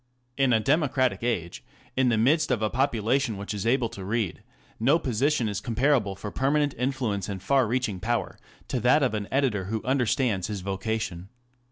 In a democratic age, in the midst of a population which is able to read, no position is comparable for permanent influence and far reaching power to that of an editor who understands his vocation.